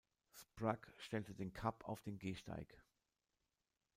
Sprague stellte den Cup auf den Gehsteig.